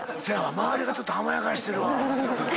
周りがちょっと甘やかしてるわ。